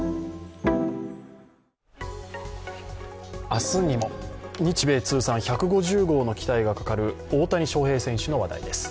明日にも、日米通算１５０号の期待がかかる大谷翔平選手の話題です。